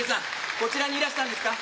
こちらにいらしたんですか。